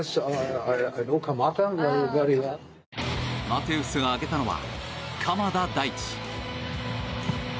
マテウスが挙げたのは鎌田大地。